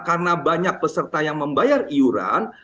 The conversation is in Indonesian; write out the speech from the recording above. karena banyak peserta yang membayar iuran